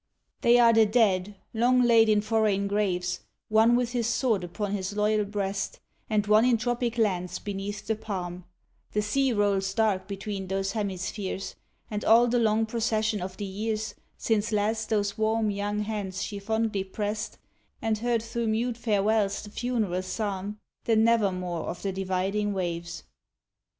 They are the dead, long laid in foreign graves, One with his sword upon his loyal breast, And one in tropic lands beneath the palm; The sea rolls dark between those hemispheres, And all the long procession of the years, Since last those warm young hands she fondly pressed, And heard through mute farewells the funeral psalm, The "nevermore" of the dividing waves.